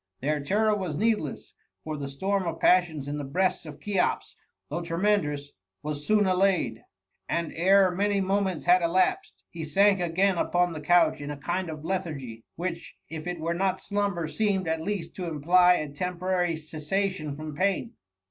Their terror was needless, for the storm of passions in the breast of Cheops, though tremendous, was soon allayed ; and ere many moments had elapsed, he sank again upon the couch in a kind of lethargy, which, if it were not slumber, seemed at least to imply a temporary cessation from pain.